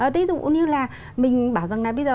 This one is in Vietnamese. ví dụ như là mình bảo rằng là bây giờ